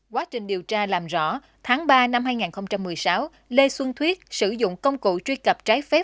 quá trình điều tra làm rõ tháng ba năm hai nghìn một mươi sáu lê xuân thuyết sử dụng công cụ truy cập trái phép